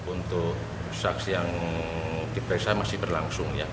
untuk saksi yang diperiksa masih berlangsung ya